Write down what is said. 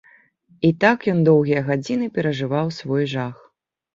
І так ён доўгія гадзіны перажываў свой жах.